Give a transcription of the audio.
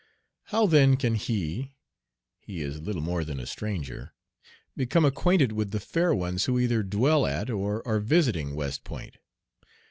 How then can he he is little more than a stranger become acquainted with the fair ones who either dwell at or are visiting West Point.